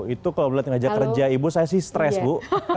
itu kalau melihat kinerja kerja ibu saya sih stres bu